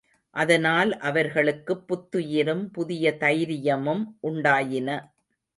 அதனால் அவர்களுக்குப் புத்துயிரும் புதிய தைரியமும் உண்டாயின.